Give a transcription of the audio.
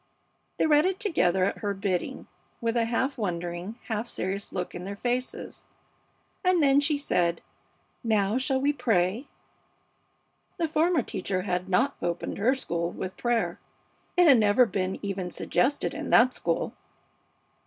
They read it together at her bidding, with a wondering, half serious look in their faces, and then she said, "Now, shall we pray?" The former teacher had not opened her school with prayer. It had never been even suggested in that school.